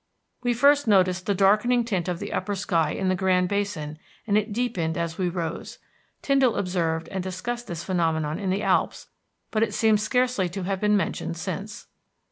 We first noticed the darkening tint of the upper sky in the Grand Basin, and it deepened as we rose. Tyndall observed and discussed this phenomenon in the Alps, but it seems scarcely to have been mentioned since."